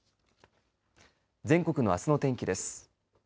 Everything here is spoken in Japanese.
全国のあすの天気です。